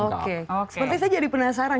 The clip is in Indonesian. seperti saya jadi penasaran